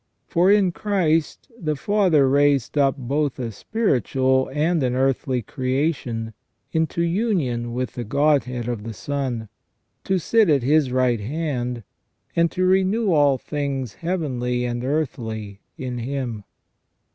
For in Christ the Father raised up both a spiritual and an earthly creation into union with the Godhead of the Son, to sit at His right hand, and to renew all things heavenly and earthly in Him.